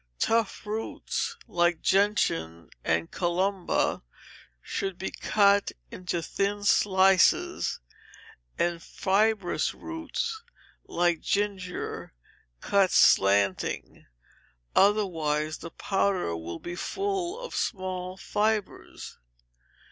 Tough roots, like gentian and calumba, should be cut into thin slices; and fibrous roots, like ginger, cut slanting, otherwise the powder will be full of small fibres.